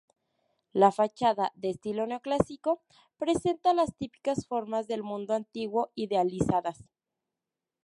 La fachada, de estilo neoclásico, presenta las típicas formas del mundo antiguo idealizadas.